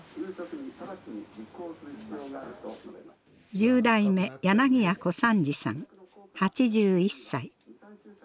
十代目柳家小三治さん８１歳。